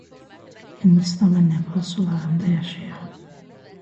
Hindistan və Nepal sularında yaşayır.